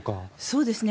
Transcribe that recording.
そうですね。